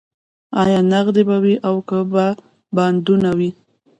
ایا نغدې به وي او که به بانډونه وي